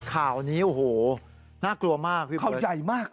ข่าวนี้โอ้โหน่ากลัวมากพี่ข่าวใหญ่มาก